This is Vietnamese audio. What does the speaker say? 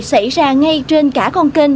xảy ra ngay trên cả con canh